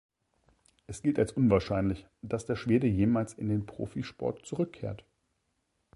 Es gilt als unwahrscheinlich, dass der Schwede jemals in den Profisport zurückkehrt.